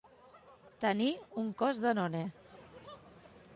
Tenir un cos Danone.